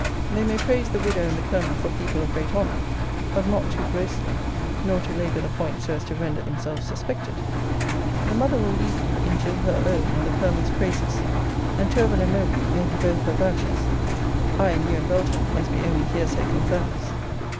They may praise the widow and the colonel for people of great honour but not too grossly; nor to labour the point so as to render themselves suspected. The mother will lead ye into her own and the colonel's praises! and Tourville and Mowbray may be both her vouchers I, and you, and Belton, must be only hearsay confirmers.